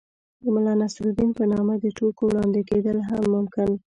د ملا نصر الدين په نامه د ټوکو وړاندې کېدل هم ممکن